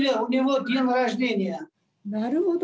なるほど。